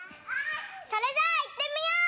それじゃあいってみよう！